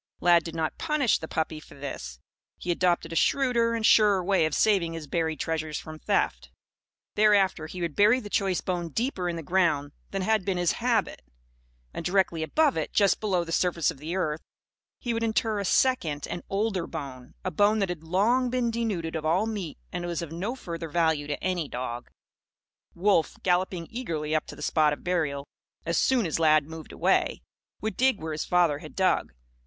Lad did not punish the puppy for this. He adopted a shrewder and surer way of saving his buried treasures from theft. Thereafter, he would bury the choice bone deeper in the ground than had been his habit. And, directly above it, just below the surface of the earth, he would inter a second and older bone; a bone that had long been denuded of all meat and was of no further value to any dog. Wolf, galloping eagerly up to the spot of burial, as soon as Lad moved away, would dig where his father had dug.